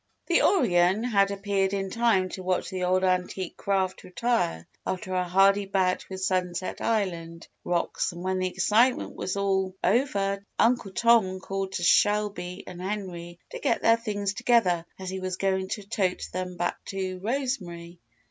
The Orion had appeared in time to watch the old antique craft retire after her hardy bout with Sunset Island rocks and when the excitement was all over Uncle Tom called to Shelby and Henry to get their things together as he was going to tote them back to Rosemary.